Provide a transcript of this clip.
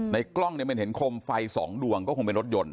กล้องเนี่ยมันเห็นคมไฟสองดวงก็คงเป็นรถยนต์